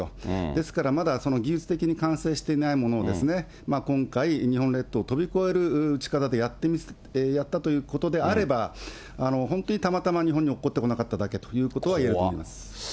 ですからまだその技術的に完成していないものを、今回、日本列島を飛び越える力でやったということであれば、本当にたまたま日本におっこってこなかっただけということはいえこわっ。